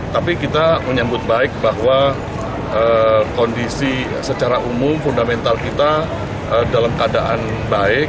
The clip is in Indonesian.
tapi kita menyambut baik bahwa kondisi secara umum fundamental kita dalam keadaan baik